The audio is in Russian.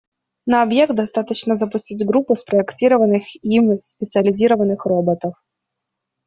На объект достаточно запустить группу спроектированных им специализированных роботов.